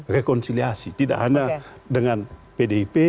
rekonsiliasi tidak hanya dengan pdip